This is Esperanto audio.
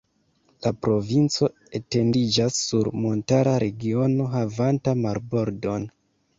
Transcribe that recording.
La provinco etendiĝas sur montara regiono havanta marbordon.